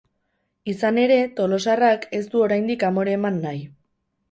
Izan ere, tolosarrak ez du oraindik amore eman nahi.